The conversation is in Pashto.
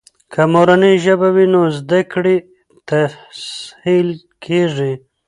که مورنۍ ژبه وي، نو زده کړې تسهیل کیږي.